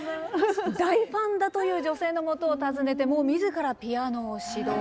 大ファンだという女性のもとを訪ねて自らピアノを指導。